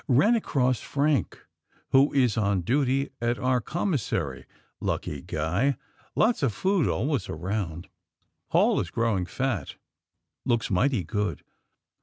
Ran across Frank, who is on duty at our Commissary. Lucky guy! Lots of food always around! Paul is growing fat. Looks mighty good.